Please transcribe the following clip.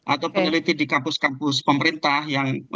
atau peneliti di kampus kampus pemerintah yang